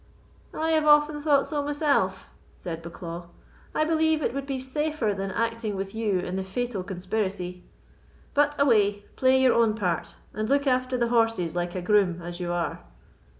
"I have often thought so myself," said Bucklaw. "I believe it would be safer than acting with you in the Fatal Conspiracy. But away, play your own part, and look after the horses like a groom as you are.